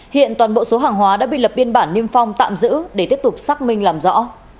hiện toàn bộ số hàng hóa đã bị lập biên bản niêm phong tạm giữ để tiếp tục xác minh làm rõ